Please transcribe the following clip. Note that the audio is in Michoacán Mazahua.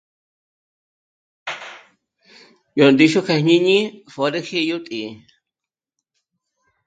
Yó ndíxu kja jñíni pjö̀rüji yó tǐ'i